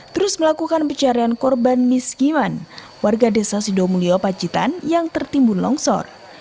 terus melakukan pencarian korban miskiman warga desa sidomulyo pacitan yang tertimbun longsor